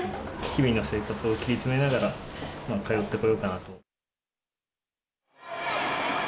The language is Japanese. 日々の生活を切り詰めながら、通ってこようかなと。